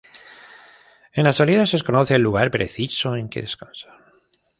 En la actualidad, se desconoce el lugar preciso en que descansa.